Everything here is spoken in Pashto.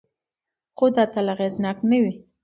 خو دا تل اغېزناک نه وي.